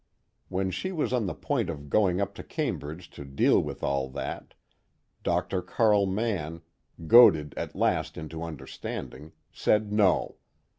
When she was on the point of going up to Cambridge to deal with all that, Dr. Carl Mann, goaded at last into understanding, said no.